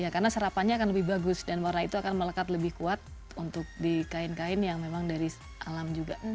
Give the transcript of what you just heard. karena serapannya akan lebih bagus dan warna itu akan melekat lebih kuat untuk di kain kain yang memang dari alam juga